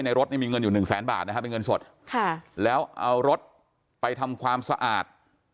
ในรถนี่มีเงินอยู่๑๐๐๐๐๐บาทนะฮะเป็นเงินสดแล้วเอารถไปทำความสะอาด